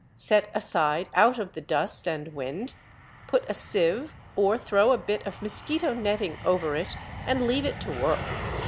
Set aside out of the dust and wind, put a sieve or throw a bit of mosquito netting over it, and leave it to work.